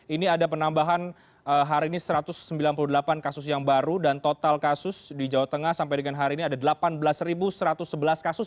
ini ada penambahan hari ini satu ratus sembilan puluh delapan kasus yang baru dan total kasus di jawa tengah sampai dengan hari ini ada delapan belas satu ratus sebelas kasus